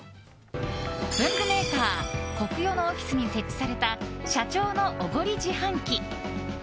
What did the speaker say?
文具メーカーコクヨのオフィスに設置された社長のおごり自販機。